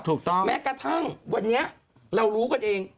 แม้กระทั่งวันนี้เรารู้กันเอง